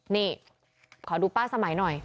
นี่ขอดูป้าสมัยหน่อย